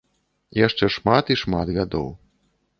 Яшчэ шмат і шмат гадоў.